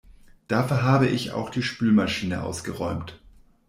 Dafür habe ich auch die Spülmaschine ausgeräumt.